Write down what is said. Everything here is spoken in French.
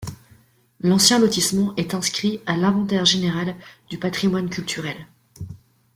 L'ancien lotissement est inscrit à l'Inventaire général du patrimoine culturel.